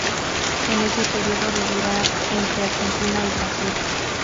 En ese periodo vivirá entre Argentina y Brasil.